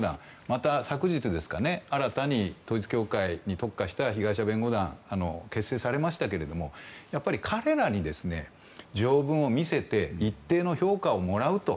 また、昨日新たに統一教会に特化した被害者弁護団が結成されましたけど彼らに条文を見せて一定の評価をもらうと。